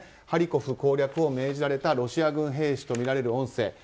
ハリコフ攻略を命じられたロシア軍兵士とみられる音声。